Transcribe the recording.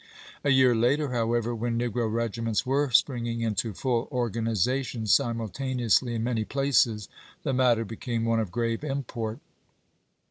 A year later, however, when negro regiments were springing into full organiza tion simultaneously in many places, the matter became one of grave import.